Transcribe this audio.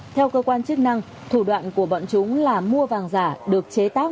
theo cơ quan chức năng thủ đoạn của bọn chúng là mua vàng giả được chế tác